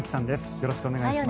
よろしくお願いします。